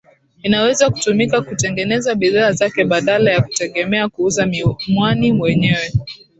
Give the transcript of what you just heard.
Inaweza kutumika kutengeneza bidhaa zake badala ya kutegemea kuuza mwani wenyewe